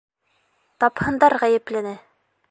— Тапһындар ғәйеплене!